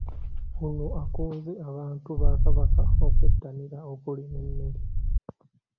Ono akunze abantu ba Kabaka okwettanira okulima emmere.